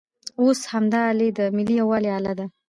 اوس همدا الې د ملي یووالي الې ده.